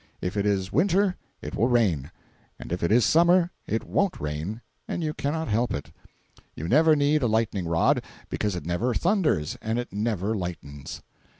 If it is Winter, it will rain—and if it is Summer, it won't rain, and you cannot help it. You never need a lightning rod, because it never thunders and it never lightens.